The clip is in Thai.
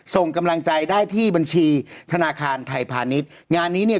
ส่งกำลังใจได้ที่บัญชีธนาคารไทยพาณิชย์งานนี้เนี่ย